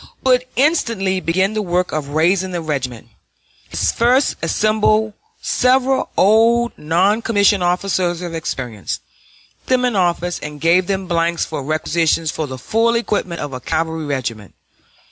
Wood instantly began the work of raising the regiment. He first assembled several old non commissioned officers of experience, put them in office, and gave them blanks for requisitions for the full equipment of a cavalry regiment.